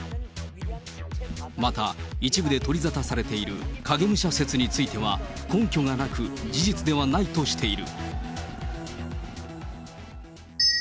また、一部で取り沙汰されている影武者説については、根拠がなく事実ではないとしている。